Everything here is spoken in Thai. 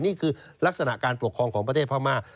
นี่คือลักษณะการปกครองของประเทศพม่า